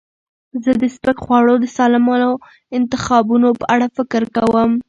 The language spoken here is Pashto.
زه د سپک خواړو د سالمو انتخابونو په اړه فکر کوم.